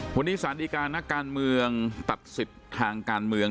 วันนี้สารดีการนักการเมืองตัดสิทธิ์ทางการเมือง